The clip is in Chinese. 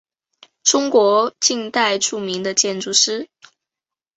中国近代著名的建筑师。